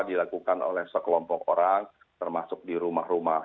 dilakukan oleh sekelompok orang termasuk di rumah rumah